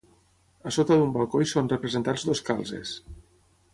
A sota d'un balcó hi són representats dos calzes.